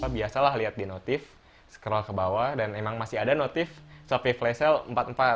biasalah lihat di notif scroll ke bawah dan emang masih ada notif shopee flash sale empat puluh empat